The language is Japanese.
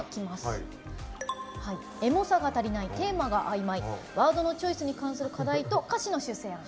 エモさが足りないテーマが曖昧ワードのチョイスに関する課題と歌詞の修正案。